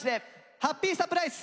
「ハッピーサプライズ」。